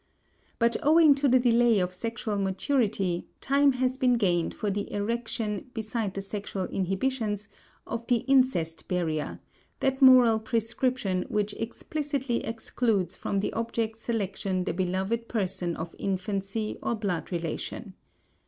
But owing to the delay of sexual maturity time has been gained for the erection beside the sexual inhibitions of the incest barrier, that moral prescription which explicitly excludes from the object selection the beloved person of infancy or blood relation.